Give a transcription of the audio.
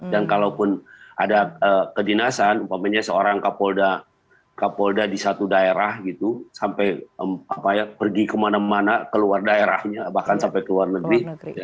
dan kalaupun ada kedinasan seorang kapolda di satu daerah gitu sampai pergi kemana mana keluar daerahnya bahkan sampai ke luar negeri